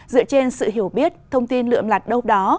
dựa trên sự hiểu biết thông tin lượm lạt đâu đó